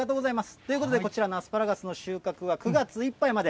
ということで、こちらのアスパラガスの収穫は９月いっぱいまで。